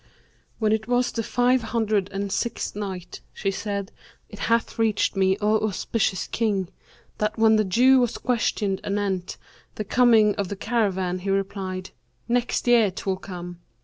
When it was the Five Hundred and Sixth Night, She said, It hath reached me, O auspicious King, that when the Jew was questioned anent the coming of the caravan, he replied, "'Next year 'twill come.'